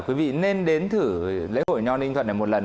quý vị nên đến thử lễ hội nho ninh thuận này một lần